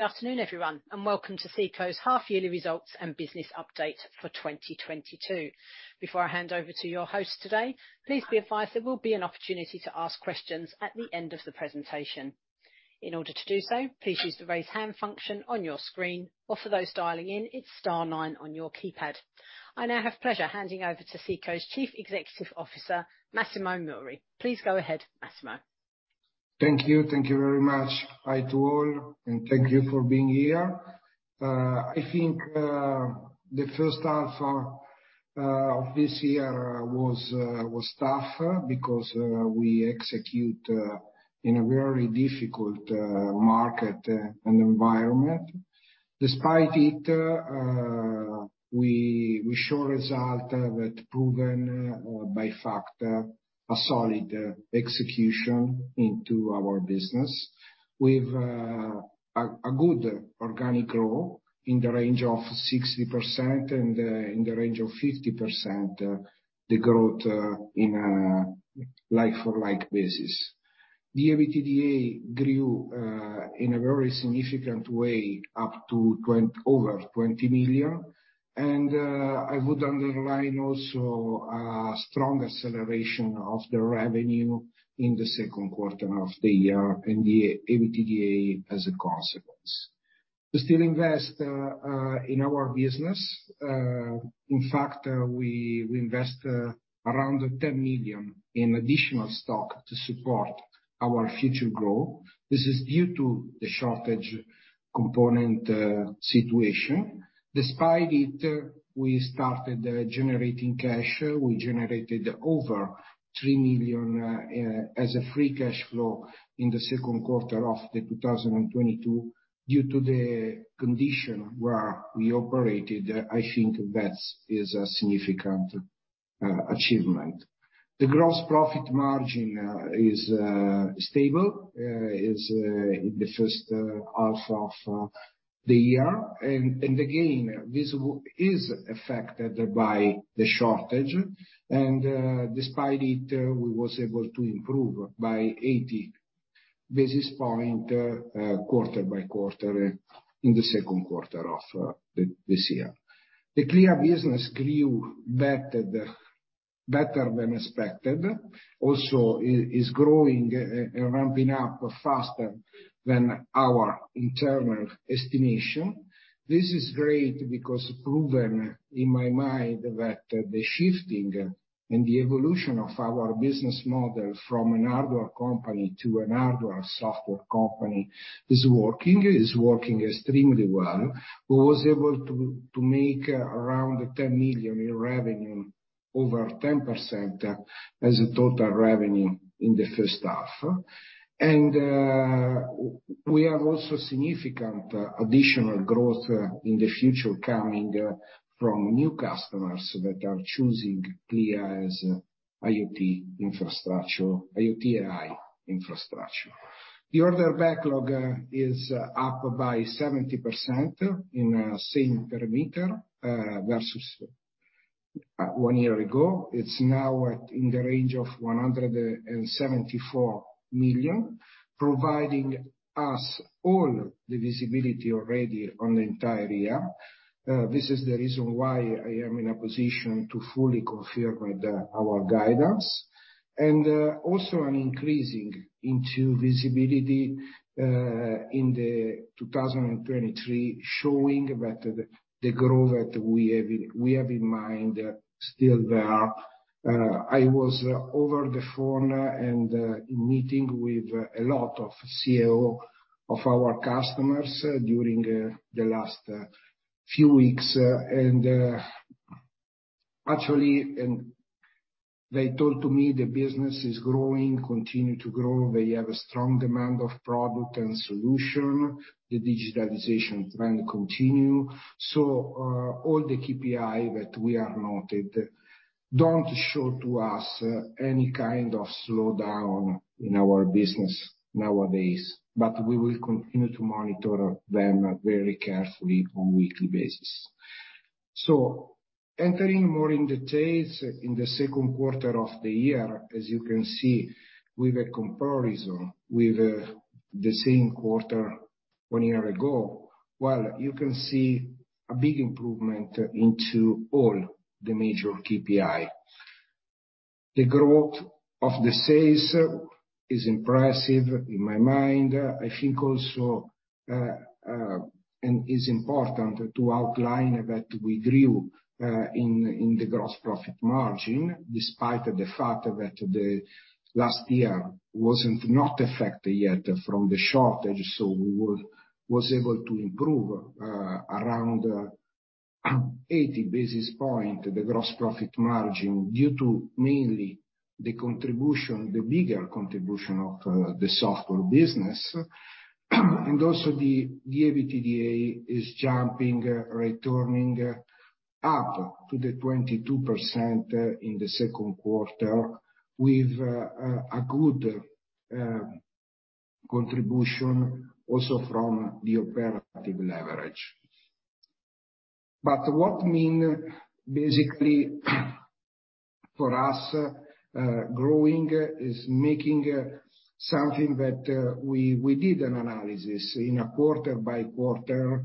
Afternoon, everyone, and welcome to SECO's half yearly results and business update for 2022. Before I hand over to your host today, please be advised there will be an opportunity to ask questions at the end of the presentation. In order to do so, please use the Raise Hand function on your screen, or for those dialing in, it's star nine on your keypad. I now have pleasure handing over to SECO's Chief Executive Officer, Massimo Mauri. Please go ahead, Massimo. Thank you. Thank you very much. Hi to all, and thank you for being here. I think the first half of this year was tough because we execute in a very difficult market and environment. Despite it, we show result that proven by fact a solid execution into our business. We've a good organic growth in the range of 60% and in the range of 50% the growth in a like-for-like basis. The EBITDA grew in a very significant way over 20 million. I would underline also a strong acceleration of the revenue in the second quarter of the year and the EBITDA as a consequence. We still invest in our business. In fact, we invest around 10 million in additional stock to support our future growth. This is due to the component shortage situation. Despite it, we started generating cash. We generated over 3 million as a free cash flow in the second quarter of 2022 due to the condition where we operated. I think that is a significant achievement. The gross profit margin is stable in the first half of the year. Again, this is affected by the shortage. Despite it, we were able to improve by 80 basis points quarter by quarter in the second quarter of this year. The Clea business grew better than expected. Also, it is growing and ramping up faster than our internal estimation. This is great because proven in my mind that the shifting and the evolution of our business model from an hardware company to an hardware software company is working extremely well. We was able to make around 10 million in revenue, over 10% as a total revenue in the first half. We have also significant additional growth in the future coming from new customers that are choosing Clea as IoT infrastructure, IoT-AI infrastructure. The order backlog is up by 70% in same parameter versus one year ago. It's now in the range of 174 million, providing us all the visibility already on the entire year. This is the reason why I am in a position to fully confirm that our guidance. Also an increasing visibility in 2023, showing that the growth that we have in mind is still there. I was on the phone and meeting with a lot of CEOs of our customers during the last few weeks, and actually they told me the business is growing, continue to grow. They have a strong demand for products and solutions. The digitalization trend continues. All the KPIs that we are noting don't show us any kind of slowdown in our business nowadays, but we will continue to monitor them very carefully on a weekly basis. Entering more into details in the second quarter of the year, as you can see with a comparison with the same quarter one year ago, well, you can see a big improvement in all the major KPIs. The growth of the sales is impressive in my mind. I think also it is important to outline that we grew in the gross profit margin, despite the fact that the last year was not affected yet from the shortage, so we were able to improve around 80 basis points, the gross profit margin, due to mainly the contribution, the bigger contribution of the software business. The EBITDA is jumping, returning up to 22% in the second quarter with a good contribution also from the operating leverage. What it means, basically, for us, growing is making something that we did an analysis quarter-by-quarter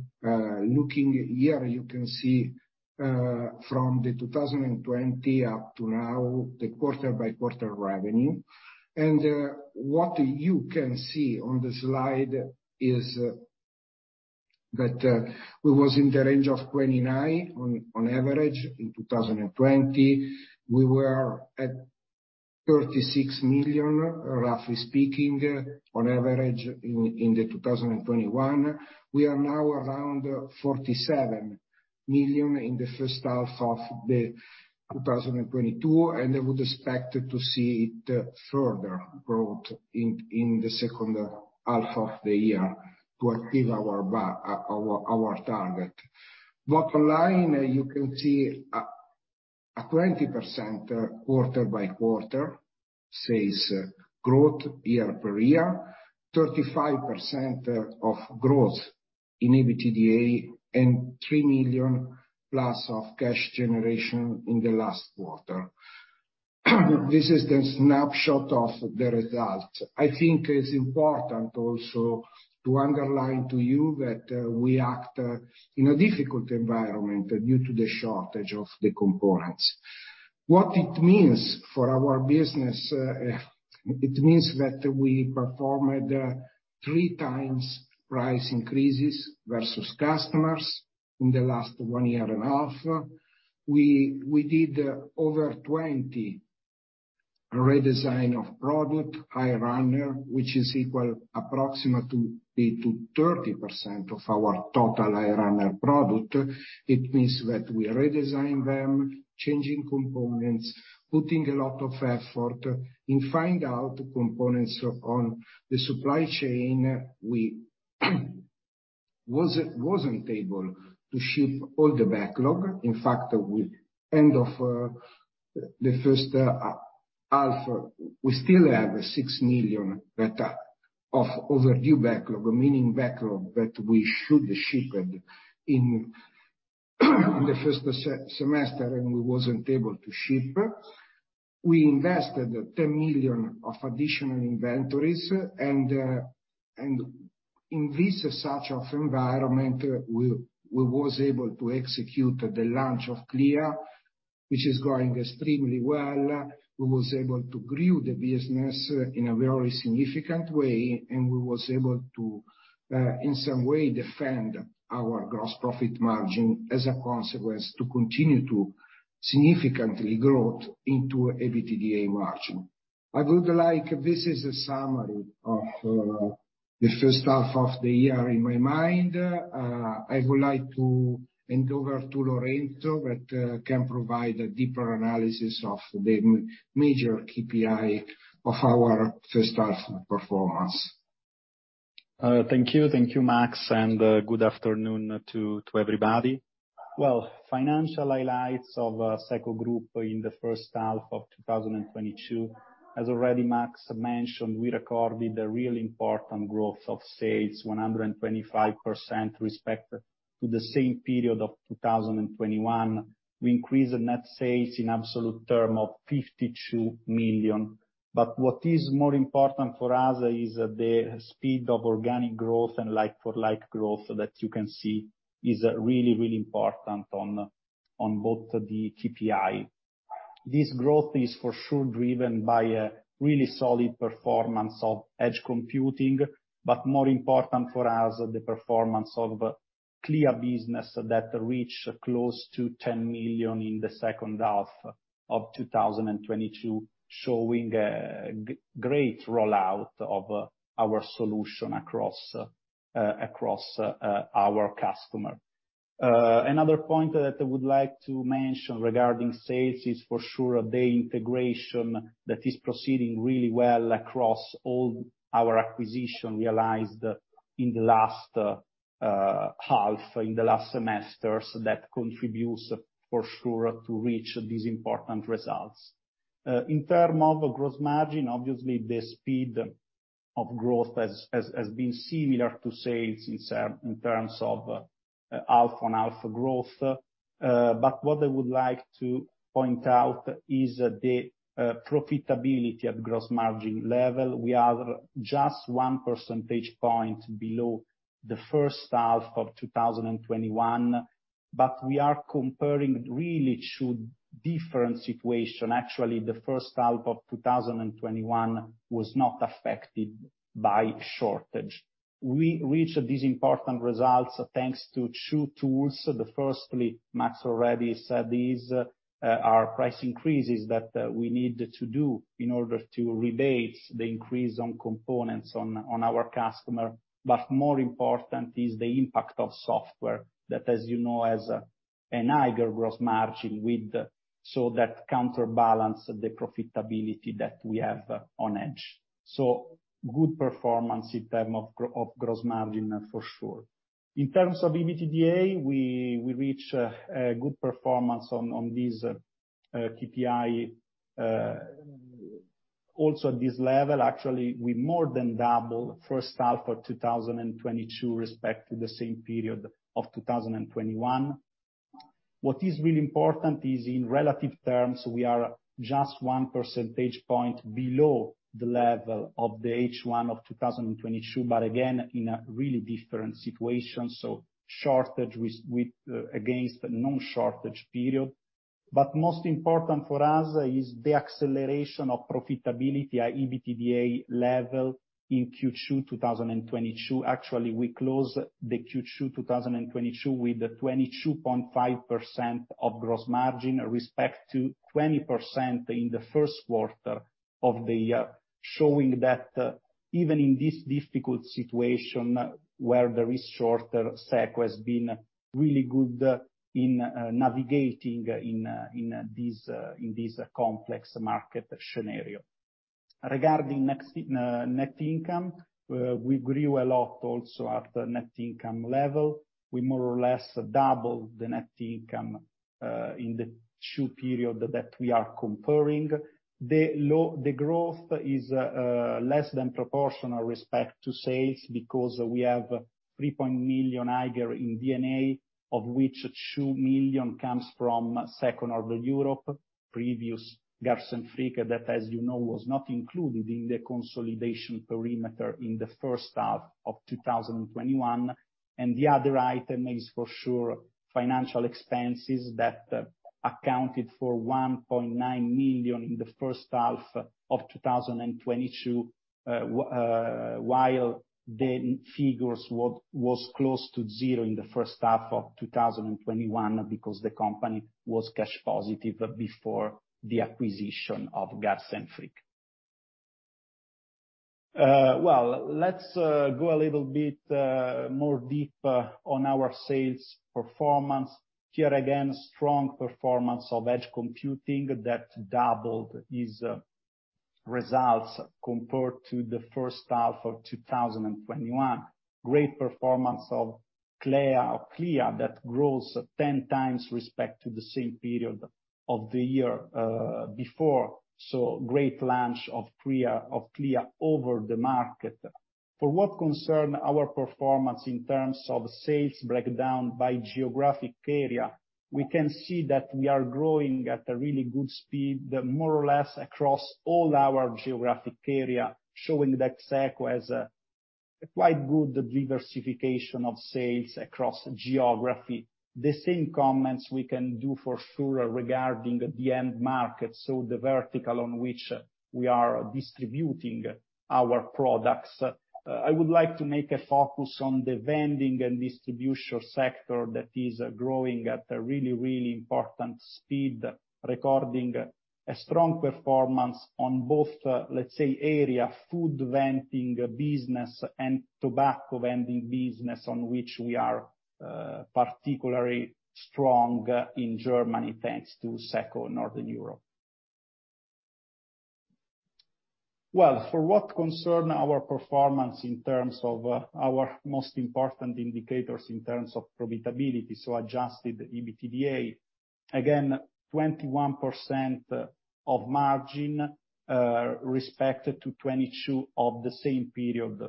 looking. Here you can see, from 2020 up to now, the quarter-by-quarter revenue. What you can see on the slide is that we was in the range of 29 million, on average, in 2020. We were at 36 million, roughly speaking, on average in 2021. We are now around 47 million in the first half of 2022, and I would expect to see it further growth in the second half of the year to achieve our target. Bottom line, you can see a 20% quarter-over-quarter sales growth year-over-year. 35% growth in EBITDA, and 3 million+ of cash generation in the last quarter. This is the snapshot of the result. I think it's important also to underline to you that we act in a difficult environment due to the shortage of the components. What it means for our business, it means that we performed three times price increases versus customers in the last one year and a half. We did over 20 redesigns of high-runner products, which is equal approximately to 30% of our total high-runner products. It means that we redesigned them, changing components, putting a lot of effort into finding components on the supply chain. We weren't able to ship all the backlog. In fact, at the end of the first half, we still have 6 million of overdue backlog, meaning backlog that we should have shipped in the first semester and we weren't able to ship. We invested 10 million in additional inventories and in such an environment, we were able to execute the launch of Clea, which is going extremely well. We was able to grow the business in a very significant way, and we was able to in some way defend our gross profit margin as a consequence to continue to significantly growth into EBITDA margin. This is a summary of the first half of the year in my mind. I would like to hand over to Lorenzo that can provide a deeper analysis of the major KPI of our first half performance. Thank you. Thank you, Max, and good afternoon to everybody. Well, financial highlights of SECO Group in the first half of 2022. As Max already mentioned, we recorded a really important growth of sales 125% respect to the same period of 2021. We increased the net sales in absolute terms of 52 million. What is more important for us is the speed of organic growth and like-for-like growth that you can see is really important on both the KPI. This growth is for sure driven by a really solid performance of edge computing, but more important for us, the performance of Clea business that reach close to 10 million in the second half of 2022, showing a great rollout of our solution across our customer. Another point that I would like to mention regarding sales is for sure the integration that is proceeding really well across all our acquisitions realized in the last semester, so that contributes for sure to reach these important results. In terms of gross margin, obviously the speed of growth has been similar to sales in terms of half-on-half growth. What I would like to point out is the profitability at gross margin level. We are just one percentage point below the first half of 2021, but we are comparing really two different situations. Actually, the first half of 2021 was not affected by shortage. We reached these important results thanks to two tools. Firstly, Max already said these are price increases that we need to do in order to rebate the increase on components on our customer. But more important is the impact of software that, as you know, has a higher gross margin with, so that counterbalance the profitability that we have on edge. Good performance in terms of gross margin for sure. In terms of EBITDA, we reach a good performance on this KPI. Also this level, actually, we more than double first half of 2022 in respect to the same period of 2021. What is really important is in relative terms, we are just one percentage point below the level of the H1 2022, but again, in a really different situation, so shortage versus non-shortage period. Most important for us is the acceleration of profitability at EBITDA level in Q2 2022. Actually, we closed the Q2 2022 with 22.5% of gross margin, in respect to 20% in the first quarter of the year. Showing that even in this difficult situation where there is shortage, SECO has been really good in navigating in this complex market scenario. Regarding net income, we grew a lot also at the net income level. We more or less double the net income in the two periods that we are comparing. The growth is less than proportional with respect to sales because we have 3 million higher in D&A, of which 2 million comes from SECO Northern Europe, previous Garz & Fricke that, as you know, was not included in the consolidation perimeter in the first half of 2021. The other item is for sure financial expenses that accounted for 1.9 million in the first half of 2022, while the figures was close to zero in the first half of 2021 because the company was cash positive before the acquisition of Garz & Fricke. Let's go a little bit more in depth on our sales performance. Here again, strong performance of edge computing that doubled its results compared to the first half of 2021. Great performance of Clea that grows 10x with respect to the same period of the year before. Great launch of Clea over the market. For what concerns our performance in terms of sales breakdown by geographic area, we can see that we are growing at a really good speed, more or less across all our geographic area, showing that SECO has a quite good diversification of sales across geography. The same comments we can do for sure regarding the end market, so the vertical on which we are distributing our products. I would like to make a focus on the vending and distribution sector that is growing at a really important speed, recording a strong performance on both, let's say, area, food vending business and tobacco vending business on which we are particularly strong in Germany, thanks to SECO Northern Europe. Well, for what concern our performance in terms of our most important indicators in terms of profitability, so adjusted EBITDA. Again, 21% margin versus 22% of the same period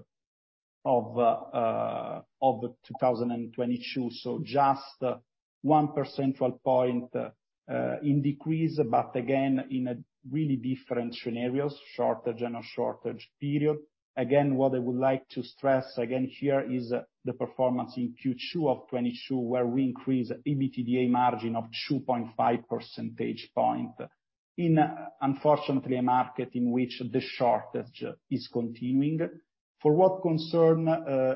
of 2022. Just one percentage point in decrease, but again, in a really different scenarios, shortage period. Again, what I would like to stress again here is the performance in Q2 of 2022, where we increase EBITDA margin of 2.5 percentage point in unfortunately a market in which the shortage is continuing. For what concern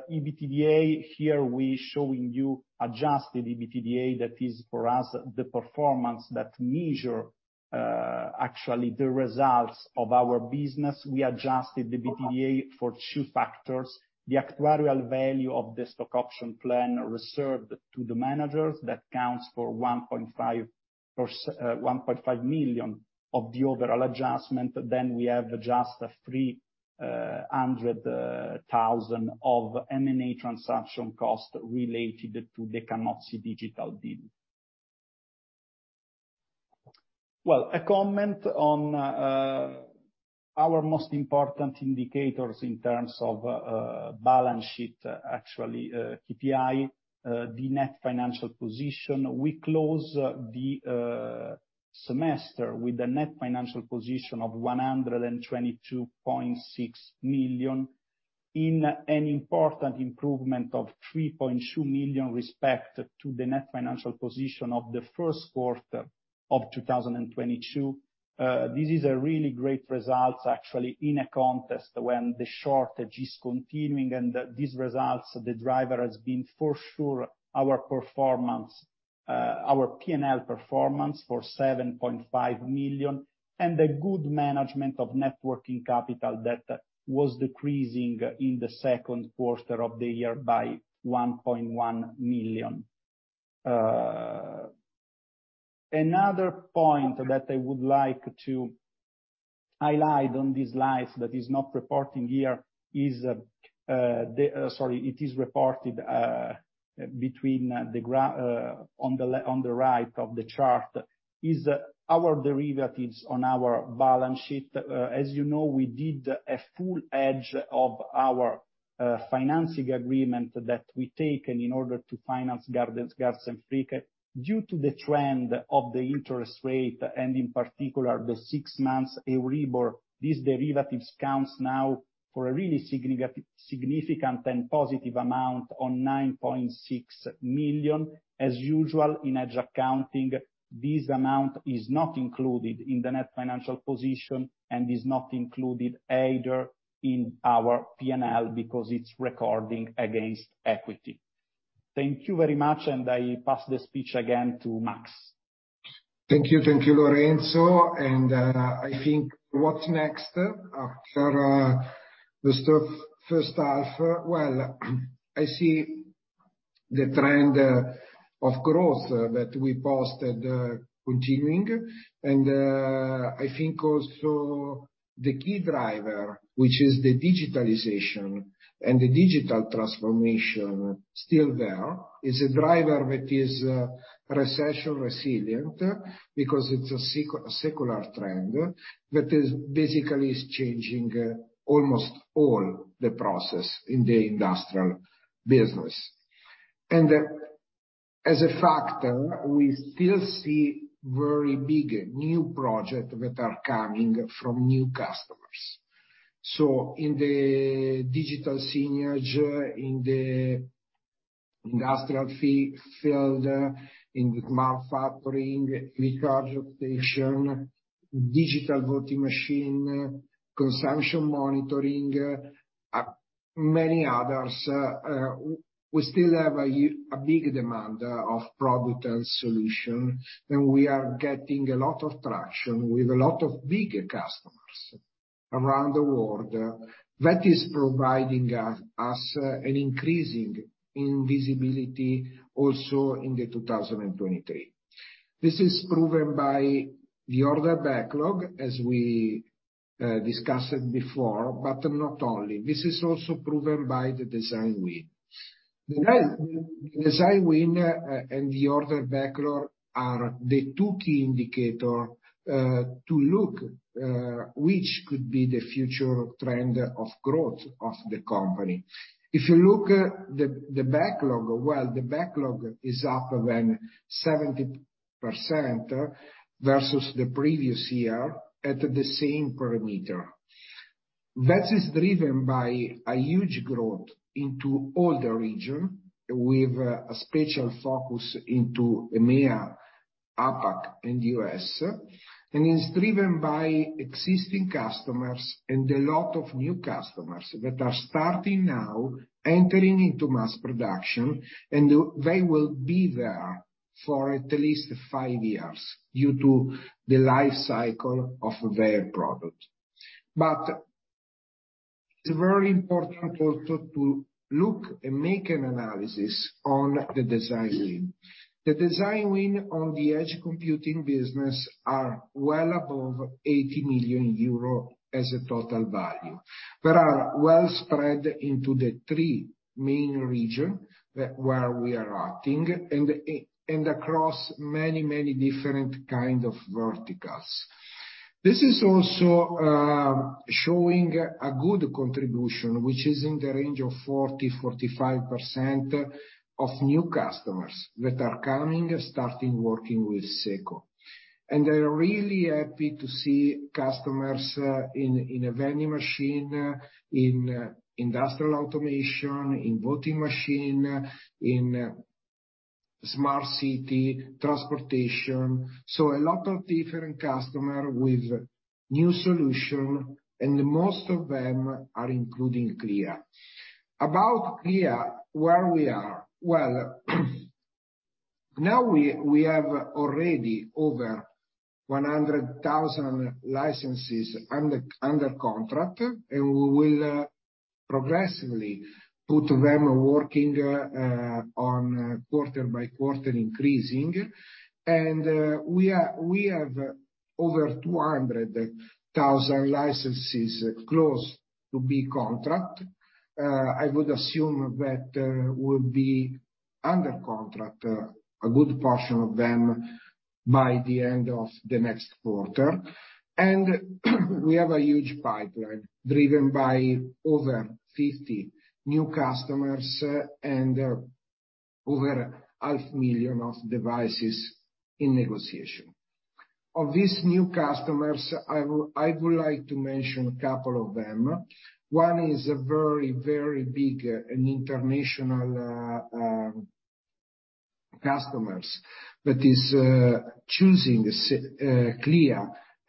EBITDA, here we showing you adjusted EBITDA, that is for us, the performance that measure actually the results of our business. We adjusted the EBITDA for two factors, the actuarial value of the stock option plan reserved to the managers that counts for 1.5 million of the overall adjustment. Then we have adjust 300,000 of M&A transaction costs related to the Camozzi Digital deal. Well, a comment on our most important indicators in terms of balance sheet, actually KPI, the net financial position. We close the semester with a net financial position of 122.6 million, an important improvement of 3.2 million with respect to the net financial position of the first quarter of 2022. This is a really great result actually in a context when the shortage is continuing and these results. The driver has been for sure our performance, our P&L performance for 7.5 million, and the good management of net working capital that was decreasing in the second quarter of the year by 1.1 million. Another point that I would like to highlight on this slide is our derivatives on our balance sheet. It is reported on the right of the chart. As you know, we did a full hedge of our financing agreement that we take in order to finance Garz & Fricke. Due to the trend of the interest rate, and in particular the six months Euribor, these derivatives count now for a really significant and positive amount of 9.6 million. As usual in hedge accounting, this amount is not included in the net financial position and is not included either in our P&L because it's recognized against equity. Thank you very much, and I pass the speech again to Max. Thank you. Thank you, Lorenzo. I think what's next after the start, first half? Well, I see the trend of growth that we posted continuing. I think also the key driver, which is the digitalization and the digital transformation still there, is a driver that is recession resilient because it's a secular trend that is basically changing almost all the process in the industrial business. As a factor, we still see very big new project that are coming from new customers. In the digital signage, in the industrial field, in manufacturing, recharge station, digital voting machine, consumption monitoring, many others, we still have a big demand of product and solution, and we are getting a lot of traction with a lot of big customers around the world. That is providing us an increasing in visibility also in 2023. This is proven by the order backlog, as we discussed before, but not only. This is also proven by the design win. The design win and the order backlog are the two key indicator to look which could be the future trend of growth of the company. If you look the backlog, well, the backlog is up 70% versus the previous year at the same parameter. That is driven by a huge growth into all the region, with a special focus into EMEA, APAC and U.S., and is driven by existing customers and a lot of new customers that are starting now entering into mass production. They will be there for at least five years due to the life cycle of their product. It's very important also to look and make an analysis on the design win. The design win on the edge computing business are well above 80 million euro as a total value, but are well spread into the three main region where we are acting and across many different kind of verticals. This is also showing a good contribution, which is in the range of 40%-45% of new customers that are coming, starting working with SECO. We're really happy to see customers in a vending machine, in industrial automation, in voting machine, in smart city transportation. A lot of different customer with new solution, and most of them are including Clea. About Clea, where we are? Well, now we have already over 100,000 licenses under contract, and we will progressively put them working on quarter by quarter increasing. We have over 200,000 licenses close to be contract. I would assume that would be under contract a good portion of them by the end of the next quarter. We have a huge pipeline driven by over 50 new customers and over 500,000 devices in negotiation. Of these new customers, I would like to mention a couple of them. One is a very, very big and international customer that is choosing Clea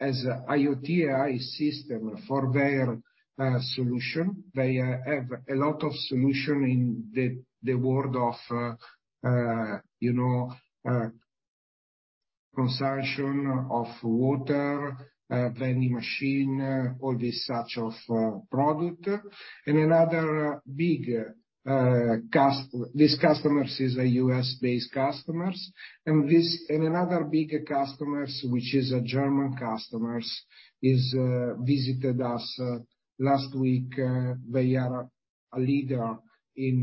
as a IoT AI system for their solution. They have a lot of solutions in the world of, you know, consumption of water, vending machines, all this sort of product. Another big customer is a U.S.-based customer. Another big customer, which is a German customer, visited us last week. They are a leader in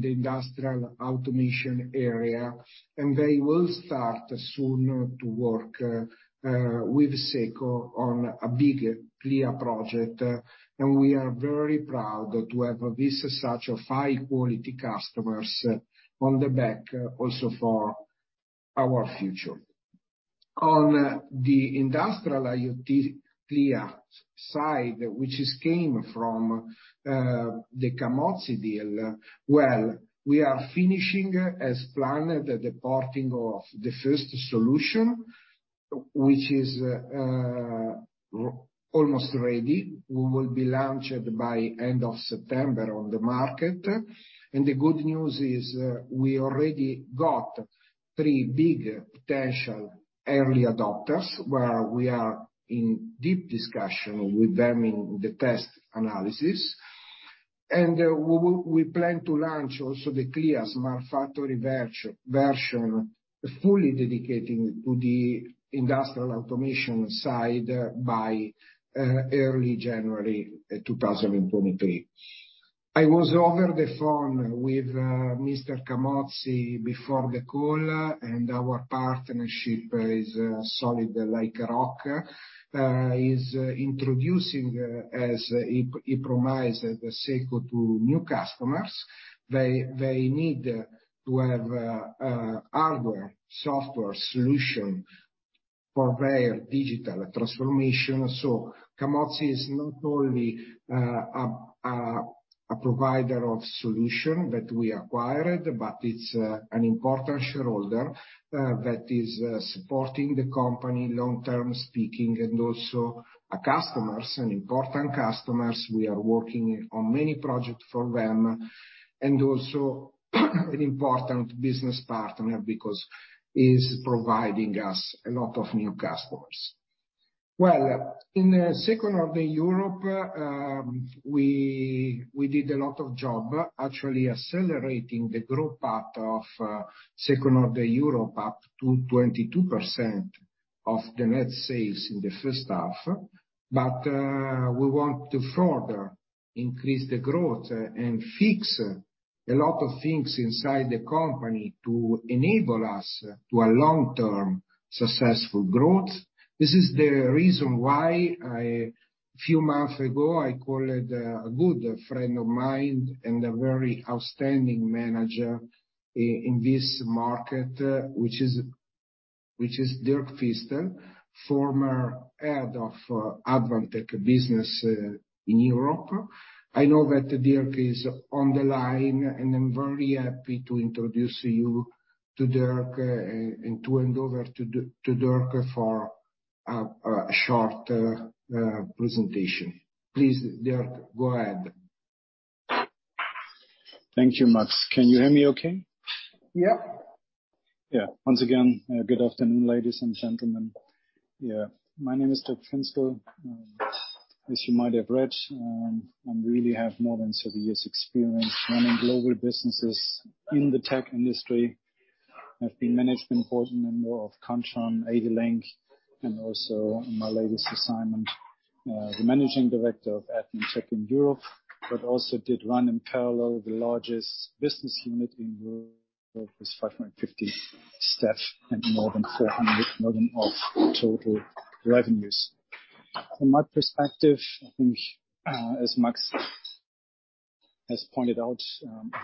the industrial automation area, and they will start soon to work with SECO on a big Clea project. We are very proud to have such a high quality customer on board also for our future. On the industrial IoT Clea side, which has come from the Camozzi deal, well, we are finishing as planned the development of the first solution, which is almost ready. We will launch by end of September on the market. The good news is, we already got three big potential early adopters where we are in deep discussion with them in the test analysis. We plan to launch also the Clea Smart Factory vertical version, fully dedicated to the industrial automation side by early January 2023. I was over the phone with Mr. Camozzi before the call, and our partnership is solid like rock. He's introducing as he promised the SECO to new customers. They need to have hardware, software solution for their digital transformation. Camozzi is not only a provider of solution that we acquired, but it's an important shareholder that is supporting the company long-term speaking, and also an important customer. We are working on many projects for them, and also an important business partner because is providing us a lot of new customers. Well, in SECO Northern Europe, we did a lot of job actually accelerating the growth part of SECO Northern Europe up to 22% of the net sales in the first half. We want to further increase the growth and fix a lot of things inside the company to enable us to a long-term successful growth. This is the reason why few months ago, I called a good friend of mine and a very outstanding manager in this market, which is Dirk Finstel, former head of Advantech business in Europe. I know that Dirk Finstel is on the line, and I'm very happy to introduce you to Dirk Finstel, and to hand over to DirkFinstel for a short presentation. Please, Dirk Finstel, go ahead. Thank you, Max. Can you hear me okay? Yep. Yeah. Once again, good afternoon, ladies and gentlemen. Yeah. My name is Dirk Finstel. As you might have read, I really have more than 30 years experience running global businesses in the tech industry. I've been management board member of Kontron, ADLINK, and also my latest assignment, the managing director of Advantech in Europe, but also did run in parallel the largest business unit in Europe with 550 staff and more than 400 million of total revenues. From my perspective, I think, as Max has pointed out,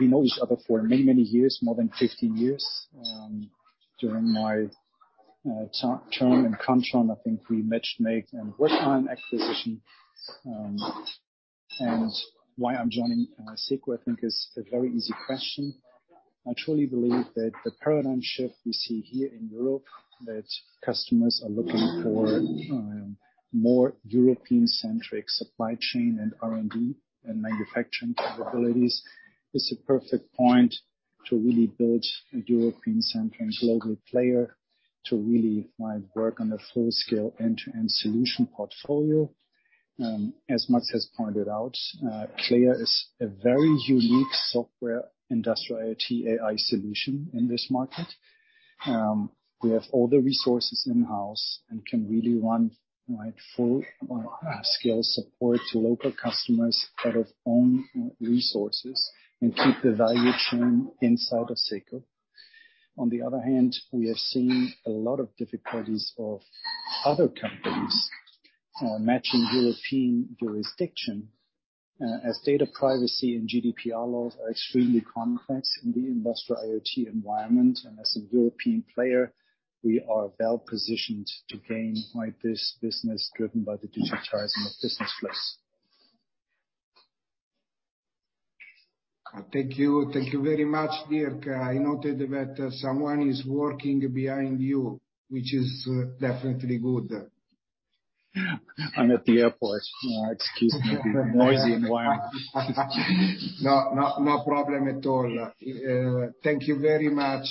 we know each other for many, many years, more than 50 years. During my term in Kontron, I think we made and worked on acquisition. Why I'm joining SECO, I think is a very easy question. I truly believe that the paradigm shift we see here in Europe that customers are looking for, more European-centric supply chain and R&D and manufacturing capabilities is a perfect point to really build a European-centric global player that might work on a full-scale end-to-end solution portfolio. As Max has pointed out, Clea is a very unique software industrial IoT AI solution in this market. We have all the resources in-house and can really run full-scale support to local customers out of own resources and keep the value chain inside of SECO. On the other hand, we have seen a lot of difficulties of other companies, matching European jurisdiction, as data privacy and GDPR laws are extremely complex in the industrial IoT environment. As a European player, we are well positioned to gain like this business driven by the digitizing of business flows. Thank you. Thank you very much, Dirk Finstel. I noted that someone is working behind you, which is definitely good. I'm at the airport. Excuse me. Noisy environment. No problem at all. Thank you very much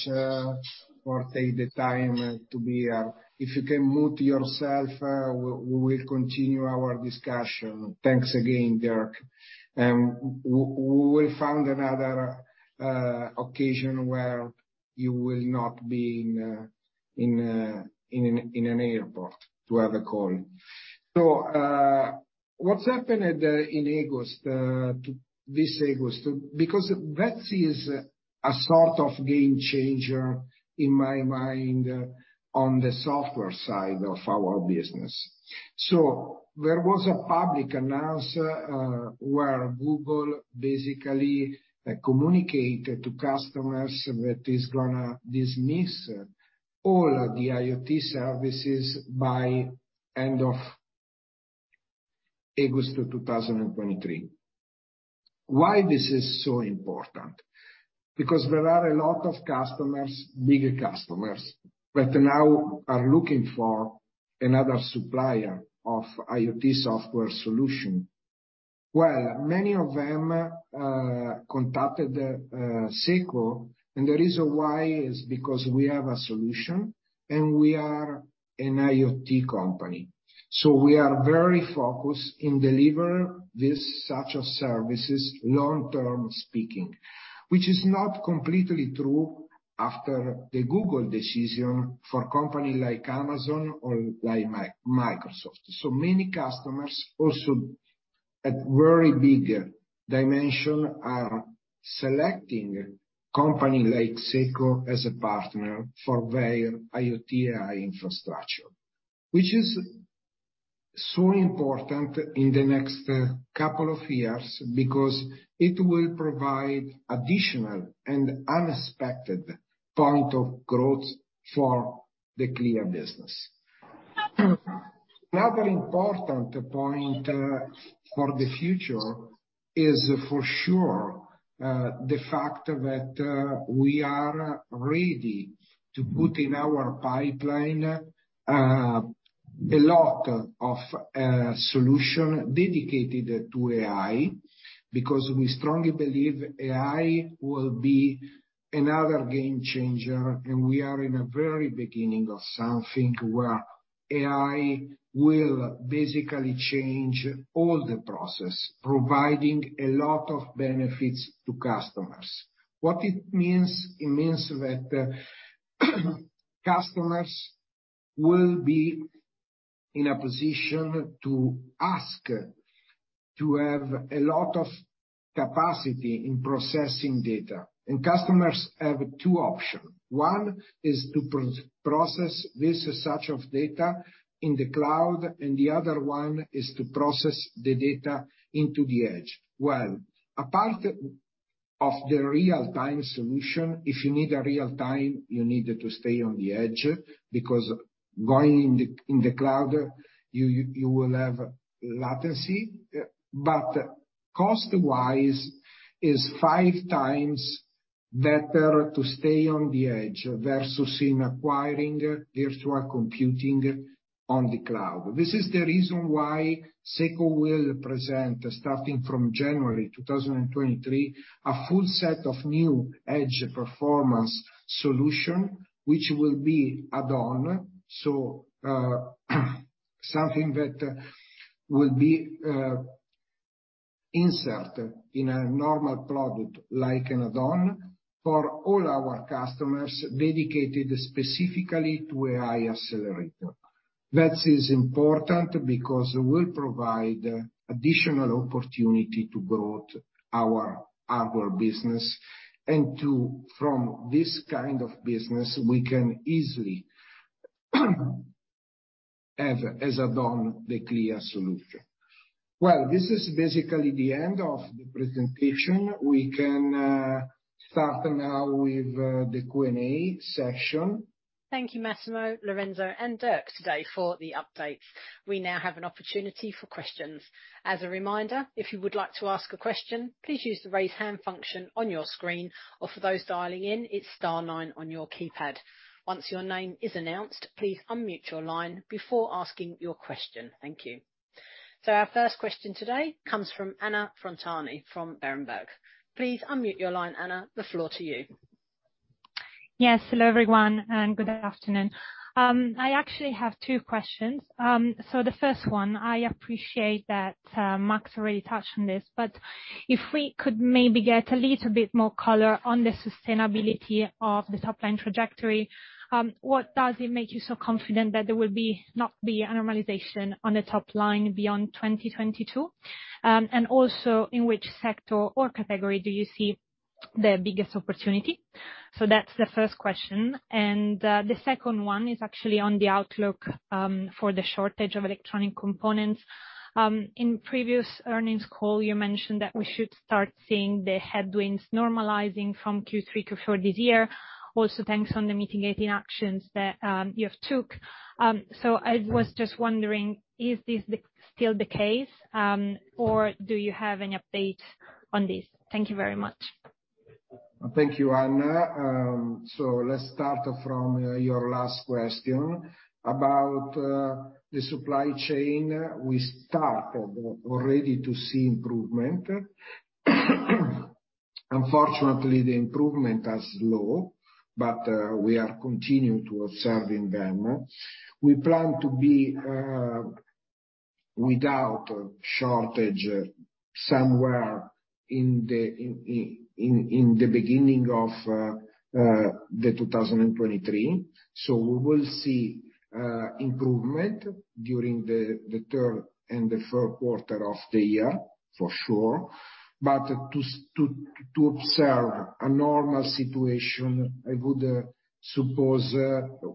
for taking the time to be here. If you can mute yourself, we will continue our discussion. Thanks again, Dirk. We will find another occasion where you will not be in an airport to have a call. What's happened in August, in this August, because that is a sort of game changer in my mind on the software side of our business. There was a public announcement where Google basically communicated to customers that it is gonna dismiss all the IoT services by end of August 2023. Why this is so important? Because there are a lot of customers, bigger customers, that now are looking for another supplier of IoT software solution. Well, many of them contacted SECO, and the reason why is because we have a solution, and we are an IoT company, so we are very focused in deliver this such of services long-term speaking. Which is not completely true after the Google decision for company like Amazon or like Microsoft. Many customers also at very big dimension are selecting company like SECO as a partner for their IoT infrastructure, which is so important in the next couple of years because it will provide additional and unexpected point of growth for the Clea business. Another important point, for the future is for sure, the fact that, we are ready to put in our pipeline, a lot of solutions dedicated to AI because we strongly believe AI will be another game changer, and we are at the very beginning of something where AI will basically change all the process, providing a lot of benefits to customers. What it means? It means that, customers will be in a position to ask to have a lot of capacity in processing data. Customers have two options. One is to process such amounts of data in the cloud, and the other one is to process the data in the edge. Apart from the real time solution, if you need a real time, you need to stay on the edge because going in the cloud, you will have latency. Cost-wise, is better to stay on the edge versus acquiring virtual computing on the cloud. This is the reason why SECO will present, starting from January 2023, a full set of new edge performance solution, which will be add-on. Something that will be insert in a normal product like an add-on for all our customers dedicated specifically to AI accelerator. That is important because it will provide additional opportunity to grow our business and to from this kind of business, we can easily have as add-on the Clea solution. This is basically the end of the presentation. We can start now with the Q&A session. Thank you, Massimo, Lorenzo, and Dirk today for the update. We now have an opportunity for questions. As a reminder, if you would like to ask a question, please use the raise hand function on your screen, or for those dialing in, it's star nine on your keypad. Once your name is announced, please unmute your line before asking your question. Thank you. Our first question today comes from Anna Frontani, from Berenberg. Please unmute your line, Anna. The floor to you. Yes. Hello, everyone, and good afternoon. I actually have two questions. The first one, I appreciate that Max already touched on this, but if we could maybe get a little bit more color on the sustainability of the top line trajectory, what does it make you so confident that there will be, not be a normalization on the top line beyond 2022? In which sector or category do you see the biggest opportunity? That's the first question. The second one is actually on the outlook for the shortage of electronic components. In previous earnings call, you mentioned that we should start seeing the headwinds normalizing from Q3, Q4 this year. Also, thanks on the mitigating actions that you have took. I was just wondering, is this still the case, or do you have any update on this? Thank you very much. Thank you, Anna. Let's start from your last question. About the supply chain, we are already starting to see improvement. Unfortunately, the improvement is low, but we are continuing to observe them. We plan to be without shortage somewhere in the beginning of 2023. We will see improvement during the third and fourth quarter of the year for sure. To observe a normal situation, I would suppose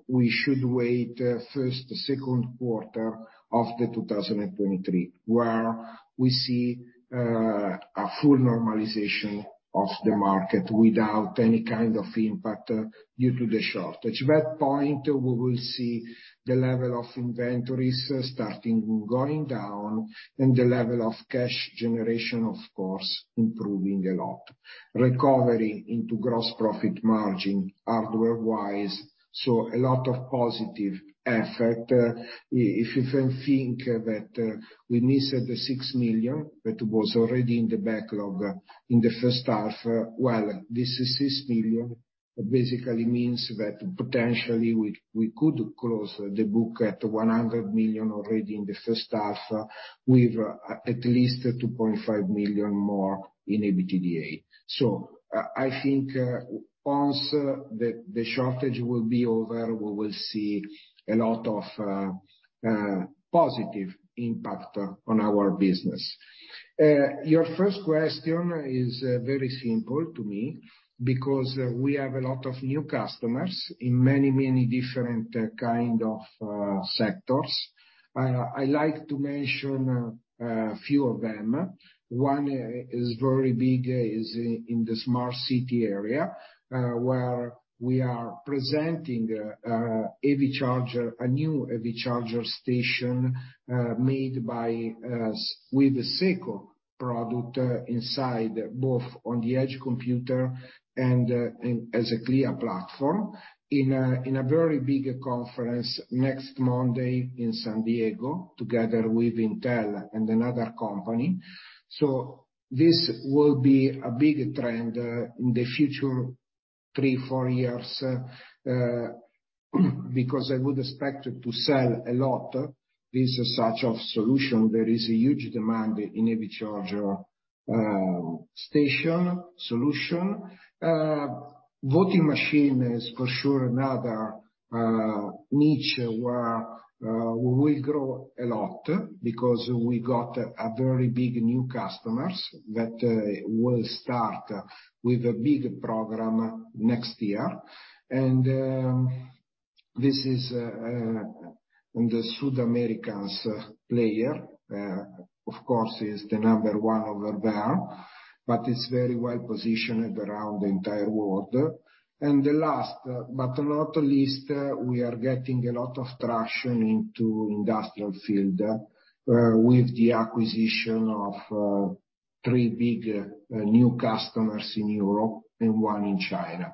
we should wait the first and second quarter of 2023, where we see a full normalization of the market without any kind of impact due to the shortage. At that point, we will see the level of inventories starting to go down and the level of cash generation of course improving a lot. Recovery into gross profit margin hardware wise, so a lot of positive effect. If you can think that we missed the 6 million that was already in the backlog in the first half, while this is 6 million, basically means that potentially we could close the book at 100 million already in the first half with at least 2.5 million more in EBITDA. I think once the shortage will be over, we will see a lot of positive impact on our business. Your first question is very simple to me because we have a lot of new customers in many different kind of sectors. I like to mention a few of them. One is very big in the smart city area, where we are presenting an EV charger, a new EV charger station made with a SECO product inside, both on the edge computer and in as a Clea platform, in a very big conference next Monday in San Diego together with Intel and another company. This will be a big trend in the future three to four years because I would expect to sell a lot of such solutions. There is a huge demand in EV charger station solution. Voting machine is for sure another niche where we grow a lot because we got a very big new customer that will start with a big program next year. This is the South American player, of course is the number one over there, but is very well positioned around the entire world. The last, but not least, we are getting a lot of traction into industrial field with the acquisition of three big new customers in Europe and one in China.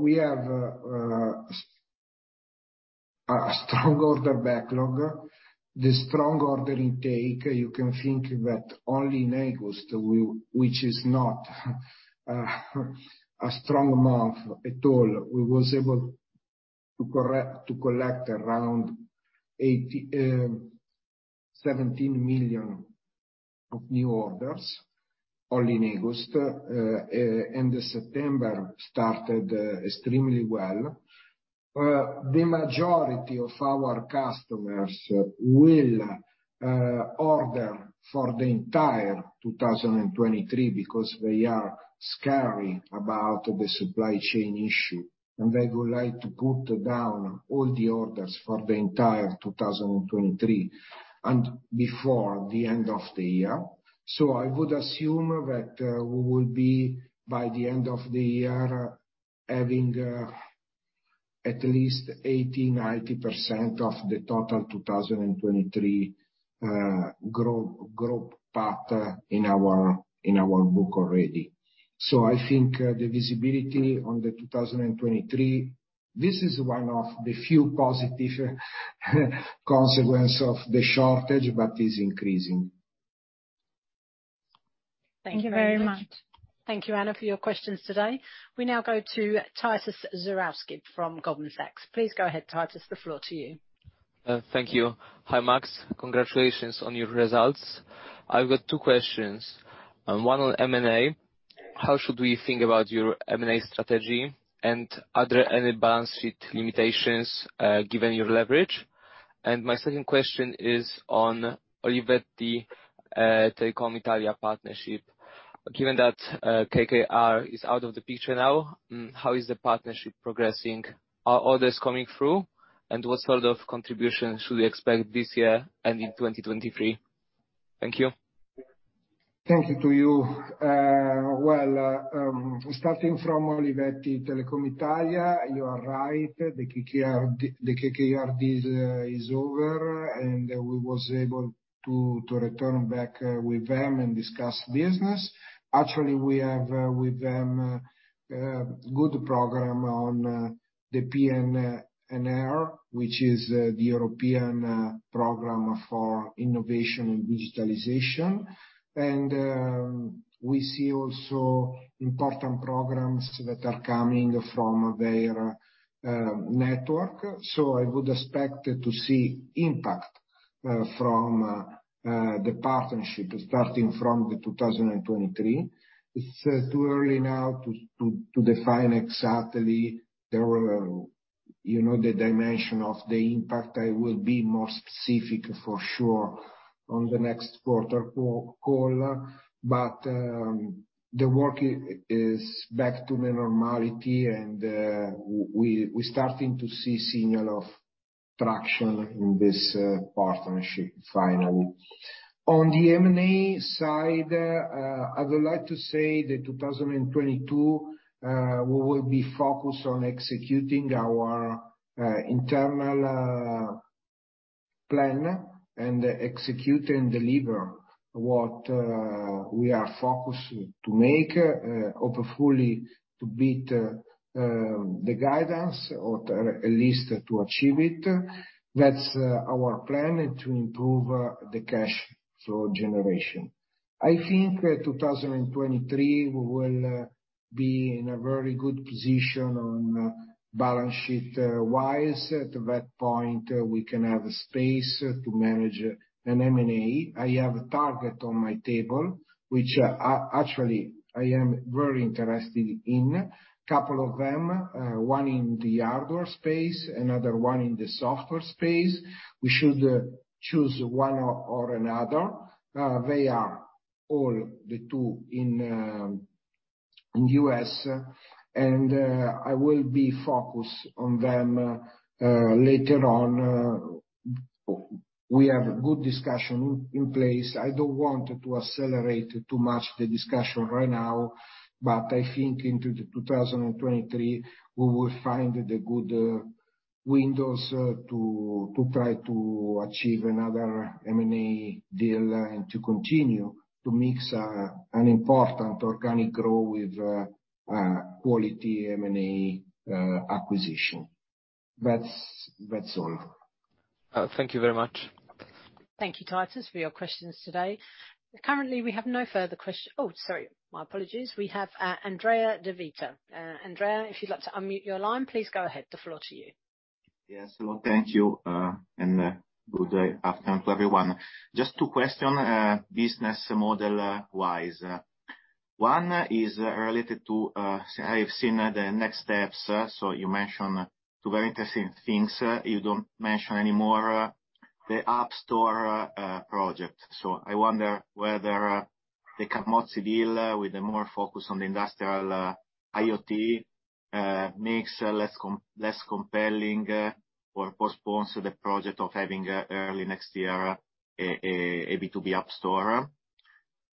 We have a strong order backlog. The strong order intake, you can think that only in August, which is not a strong month at all. We was able to collect around 87 million of new orders only in August. The September started extremely well. The majority of our customers will order for the entire 2023 because they are scared about the supply chain issue, and they would like to put down all the orders for the entire 2023 before the end of the year. I would assume that we will be by the end of the year having at least 80%-90% of the total 2023 growth path in our book already. I think the visibility on the 2023, this is one of the few positive consequence of the shortage, but is increasing. Thank you very much. Thank you, Anna, for your questions today. We now go to Tytus Zurawski from Goldman Sachs. Please go ahead, Tytus, the floor to you. Thank you. Hi, Max. Congratulations on your results. I've got two questions. One on M&A. How should we think about your M&A strategy, and are there any balance sheet limitations, given your leverage? My second question is on Olivetti, Telecom Italia partnership. Given that, KKR is out of the picture now, how is the partnership progressing? Are orders coming through? And what sort of contribution should we expect this year and in 2023? Thank you. Thank you to you. Well, starting from Olivetti, Telecom Italia, you are right. The KKR deal is over, and we was able to return back with them and discuss business. Actually, we have with them good program on the PNRR, which is the European program for innovation and digitalization. We see also important programs that are coming from their network. I would expect to see impact from the partnership starting from 2023. It's too early now to define exactly the dimension of the impact, you know. I will be more specific for sure on the next quarter call. The work is back to the normality and we starting to see signs of traction in this partnership finally. On the M&A side, I would like to say that 2022 we will be focused on executing our internal plan and execute and deliver what we are focused to make, hopefully to beat the guidance or at least to achieve it. That's our plan to improve the cash flow generation. I think 2023 we will be in a very good position on balance sheet wise. At that point, we can have space to manage an M&A. I have a target on my table, which actually I am very interested in. Couple of them, one in the hardware space, another one in the software space. We should choose one or another. They are all the two in U.S. and I will be focused on them later on. We have good discussion in place. I don't want to accelerate too much the discussion right now, but I think in 2023 we will find the good windows to try to achieve another M&A deal and to continue to mix an important organic growth with quality M&A acquisition. That's all. Thank you very much. Thank you, Tytus, for your questions today. Oh, sorry, my apologies. We have Andrea De Vita. Andrea, if you'd like to unmute your line, please go ahead. The floor to you. Yes. Well, thank you and good afternoon to everyone. Just two questions, business model-wise. One is related to, I have seen the next steps. You mentioned two very interesting things. You don't mention anymore the App Store project. I wonder whether the Camozzi deal with more focus on industrial IoT makes less compelling or postpones the project of having early next year a B2B app store.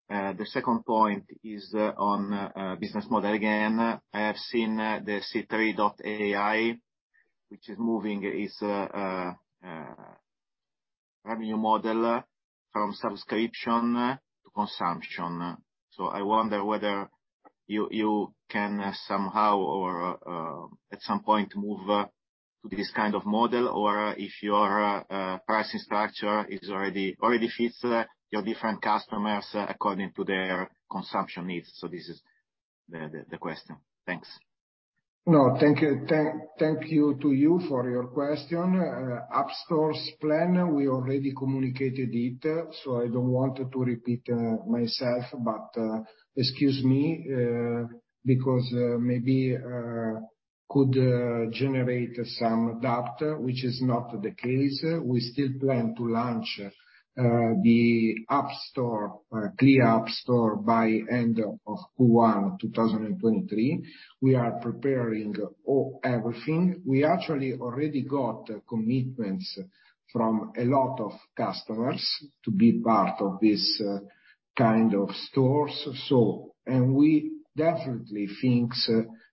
The second point is on business model. Again, I have seen the C3.ai, which is moving its revenue model from subscription to consumption. I wonder whether you can somehow or at some point move to this kind of model or if your pricing structure already fits your different customers according to their consumption needs. This is the question. Thanks. No, thank you. Thank you for your question. App Store's plan, we already communicated it, so I don't want to repeat myself. Excuse me, because maybe could generate some doubt, which is not the case. We still plan to launch the app store, Clea Store by end of Q1 2023. We are preparing everything. We actually already got commitments from a lot of customers to be part of this kind of stores, so. We definitely think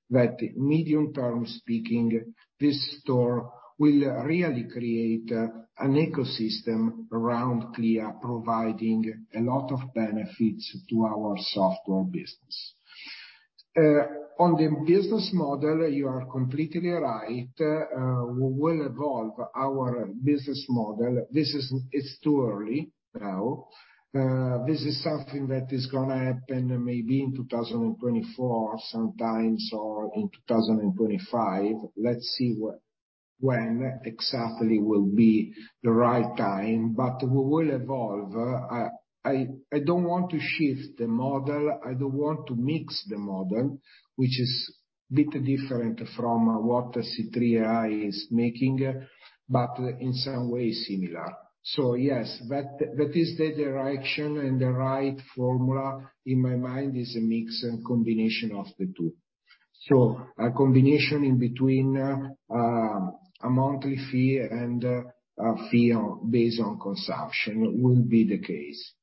that medium term speaking, this store will really create an ecosystem around Clea, providing a lot of benefits to our software business. On the business model, you are completely right. We will evolve our business model. It's too early now. This is something that is gonna happen maybe in 2024 sometime or in 2025. Let's see when exactly will be the right time. We will evolve. I don't want to shift the model. I don't want to mix the model, which is a bit different from what the C3 AI is making, but in some ways similar. Yes, that is the direction and the right formula in my mind is a mix and combination of the two. A combination in between a monthly fee and a fee based on consumption will be the case.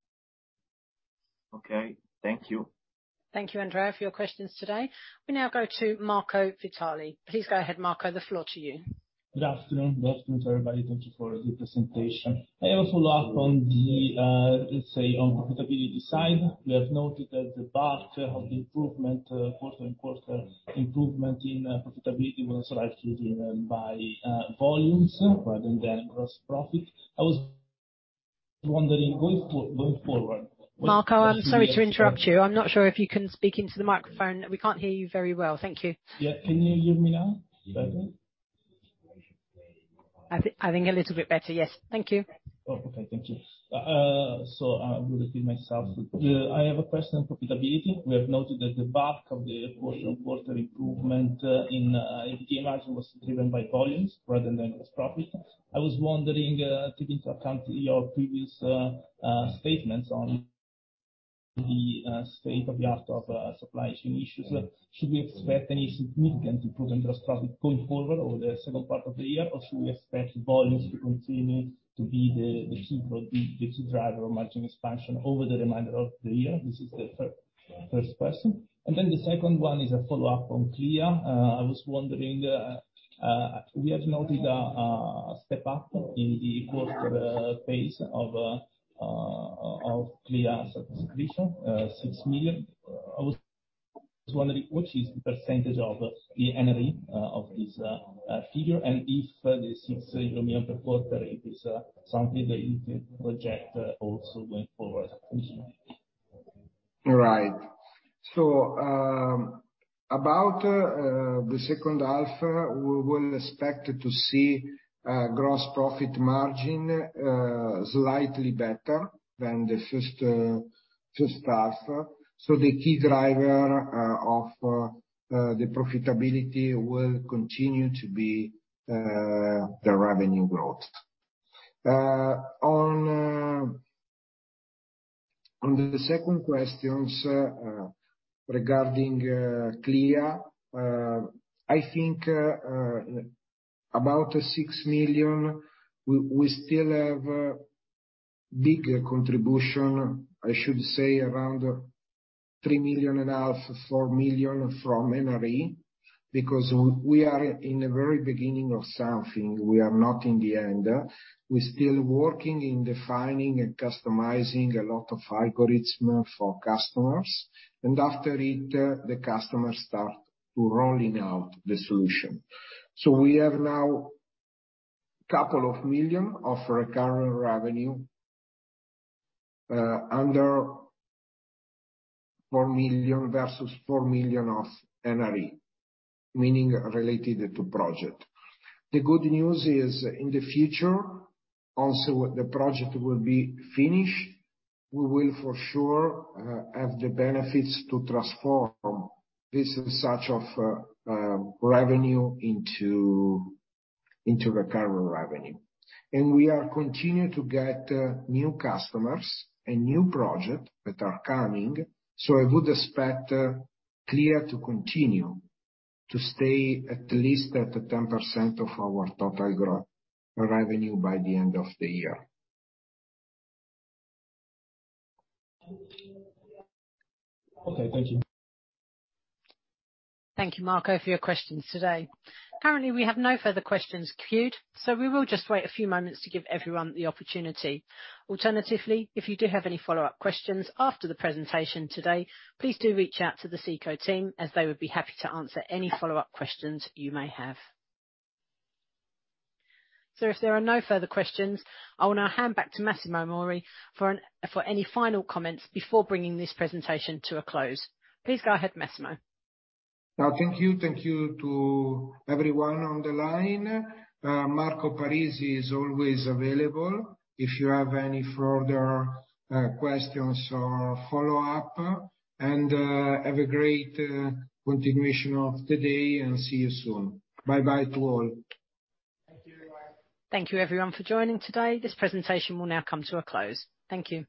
Okay. Thank you. Thank you, Andrea, for your questions today. We now go to Marco Vitali.. Please go ahead, Marco. The floor to you. Good afternoon. Good afternoon to everybody. Thank you for the presentation. I have a follow-up on the, let's say, on profitability side. We have noted that the path of the improvement, quarter and quarter improvement in profitability was driven by volumes rather than gross profit. I'm wondering, going forward- Marco, I'm sorry to interrupt you. I'm not sure if you can speak into the microphone. We can't hear you very well. Thank you. Yeah. Can you hear me now better? I think a little bit better, yes. Thank you. Oh, okay. Thank you. I will repeat myself. I have a question on profitability. We have noted that the bulk of the quarter improvement in the margin was driven by volumes rather than gross profit. I was wondering, taking into account your previous statements on the state of the art of supply chain issues, should we expect any significant improvement in gross profit going forward over the second part of the year, or should we expect volumes to continue to be the key driver margin expansion over the remainder of the year? This is the first question. The second one is a follow-up from Clea. I was wondering, we have noted a step up in the quarter pace of Clea subscription 6 million. I was wondering, what is the percentage of the NRE of this figure, and if the 6 million per quarter, it is, something that you can project also going forward. Thank you. Right. About the second half, we will expect to see gross profit margin slightly better than the first half. The key driver of the profitability will continue to be the revenue growth. On the second question regarding Clea, I think about the 6 million, we still have big contribution. I should say around 3.5 million, 4 million from NRE, because we are in the very beginning of something. We are not in the end. We are still working in defining and customizing a lot of algorithm for customers. After it, the customers start to rolling out the solution. We have now couple of million of recurring revenue under 4 million versus 4 million of NRE, meaning related to project. The good news is, in the future, also the project will be finished. We will for sure have the benefits to transform this as a source of revenue into recurring revenue. We are continuing to get new customers and new projects that are coming. I would expect Clea to continue to stay at least at 10% of our total group revenue by the end of the year. Okay. Thank you. Thank you, Marco, for your questions today. Currently, we have no further questions queued, so we will just wait a few moments to give everyone the opportunity. Alternatively, if you do have any follow-up questions after the presentation today, please do reach out to the SECO team, as they would be happy to answer any follow-up questions you may have. If there are no further questions, I will now hand back to Massimo Mauri for any final comments before bringing this presentation to a close. Please go ahead, Massimo. No, thank you. Thank you to everyone on the line. Marco Parisi is always available if you have any further questions or follow-up. Have a great continuation of the day, and see you soon. Bye-bye to all. Thank you everyone for joining today. This presentation will now come to a close. Thank you.